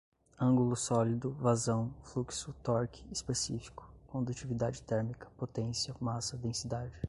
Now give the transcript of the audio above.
ângulo sólido, vazão, fluxo, torque, específico, condutividade térmica, potência, massa, densidade